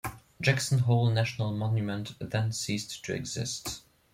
Jackson Hole National Monument then ceased to exist.